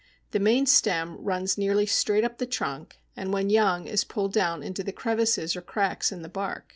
The main stem runs nearly straight up the trunk, and when young is pulled down into the crevices or cracks in the bark.